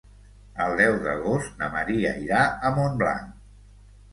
El deu d'agost na Maria irà a Montblanc.